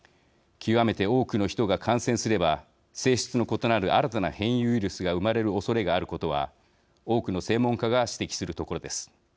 極めて多くの人が感染すれば性質の異なる新たな変異ウイルスが生まれるおそれがあることは多くの専門家が指摘するところです。